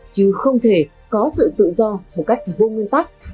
chứ không thể có sự tự do một cách vô nguyên tắc